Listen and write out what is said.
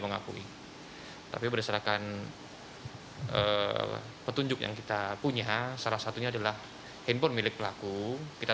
mengakui tapi berdasarkan petunjuk yang kita punya salah satunya adalah handphone milik pelaku kita